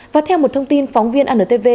và theo một thông tin phóng viên antv